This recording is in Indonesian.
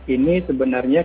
ini sebenarnya kita